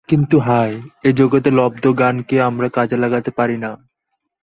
কিন্তু হায়! এ জগতে লব্ধ জ্ঞানকে আমরা কাজে লাগাতে পারি না।